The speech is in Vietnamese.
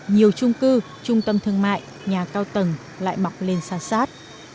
nhiều trung cư trung tâm thương mại nhà cao tầng lại mọc lên xa sát